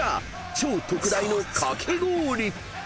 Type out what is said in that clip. ［超特大のかき氷］